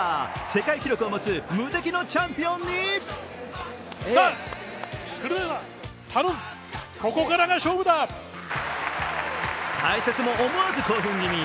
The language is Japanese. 世界記録を持つ無敵のチャンピオンにと、解説も思わず興奮気味。